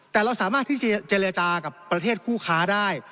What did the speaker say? แต่เราสามารถที่จะเจรจากับประเทศคู่ค้าได้